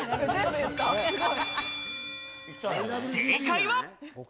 正解は？